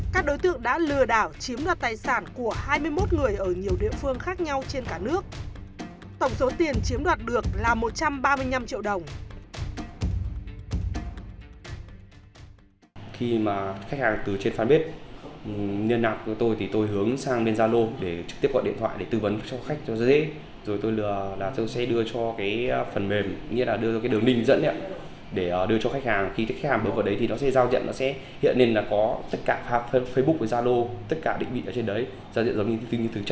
các đối tượng đã lừa đảo chiếm đoạt tài sản của hai mươi một người ở nhiều địa phương khác nhau trên cả nước